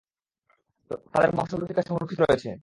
তাদের বংশ লতিকা সংরক্ষিত রয়েছে।